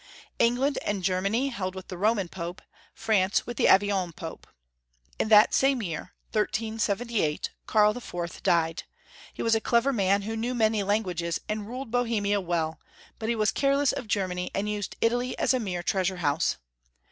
Eng land and Germany held with the Roman Pope, France with the Avignon Pope, Karl IV. 228 In that same year, 1378, Karl IV. died. He was a clever man, who knew many languages, and ruled Bohemia well, but he was careless of Germany, and used Italy as a mere treasure house.